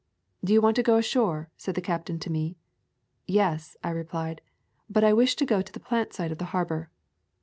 "Do you want to go ashore?" said the cap tain tome. "Yes," I replied, "but I wish to go to the plant side of the harbor."